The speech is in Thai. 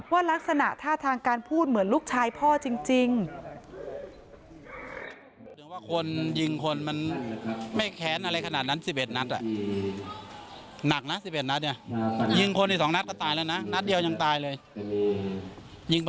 ลักษณะท่าทางการพูดเหมือนลูกชายพ่อจริง